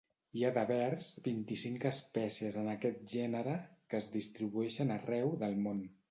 Hi ha devers vint-i-cinc espècies en aquest gènere, que es distribueixen arreu del món.